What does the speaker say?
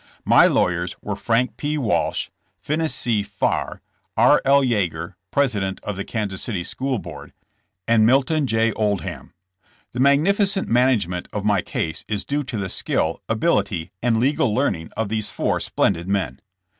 My lawyers were Frank P. Walsh, Finis C. Farr, R. L. Yeager, president of the Kansas City school board, and Milton J. Oldham. The magnificent management of my case is due to the skill, ability and legal learning of these four splendid men.